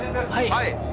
「はい」。